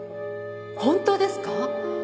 本当ですか？